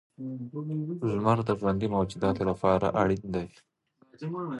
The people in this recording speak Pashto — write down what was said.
• لمر د ژوندي موجوداتو لپاره اړینه دی.